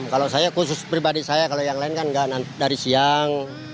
kalau saya khusus pribadi saya kalau yang lain kan nggak dari siang